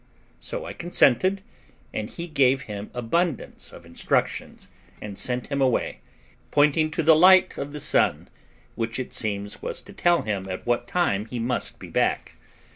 So I consented, and he gave him abundance of instructions, and sent him away, pointing to the light of the sun, which it seems was to tell him at what time he must be back.